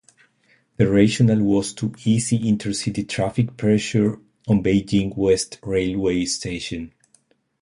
The rational was to ease intercity traffic pressure on Beijing West Railway Station.